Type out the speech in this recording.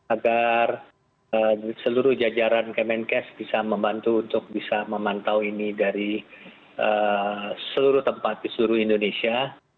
agar seluruh jajaran kemenkes bisa membantu untuk bisa memantau ini dari seluruh tempat di seluruh indonesia